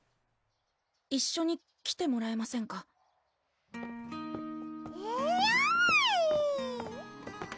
一緒に来てもらえませんかえるぅ！